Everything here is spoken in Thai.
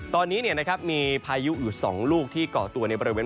ตอนนี้นะครับมีพายุอื่น๒ลูกที่ก่อตัวในบริเวณ